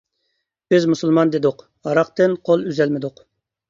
بىز مۇسۇلمان دېدۇق، ھاراقتىن قول ئۈزەلمىدۇق.